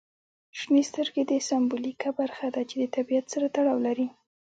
شنې سترګې د سمبولیکه برخه ده چې د طبیعت سره تړاو لري.